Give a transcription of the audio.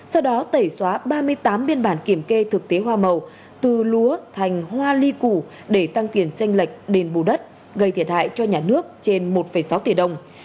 sau đó tẩy xóa ba mươi tám biên bản kiểm kê thực tế hoa màu từ lúa thành hoa ly củ để tăng tiền tranh lệch đền bù đất gây thiệt hại cho nhà nước trên một sáu tỷ đồng